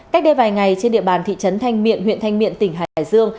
cách đây vài ngày trên địa bàn thị trấn thanh miện huyện thanh miện tỉnh hải dương